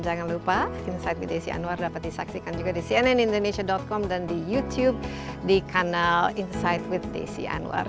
jangan lupa insight with desi anwar dapat disaksikan juga di cnnindonesia com dan di youtube di kanal insight with desi anwar